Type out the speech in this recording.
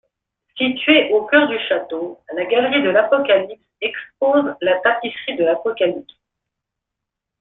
Située au cœur du château, la galerie de l’Apocalypse expose la Tapisserie de l'Apocalypse.